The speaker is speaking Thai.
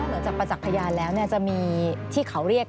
อันดับที่สุดท้ายอันดับที่สุดท้าย